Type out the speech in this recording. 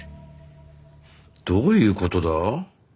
どういう事だ？